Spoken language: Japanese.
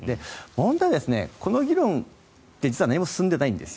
問題はこの議論って実は何も進んでないんです。